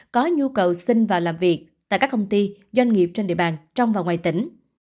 có nhu cầu xin và làm việc tại các công ty doanh nghiệp trên địa bàn trong và ngoài tỉnh